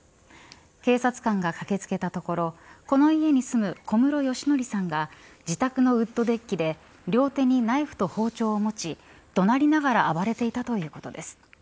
警察官が駆け付けたところこの家に住む小室良徳さんが自宅のウッドデッキで両手にナイフと包丁を持ち怒鳴りながら暴れていたということです。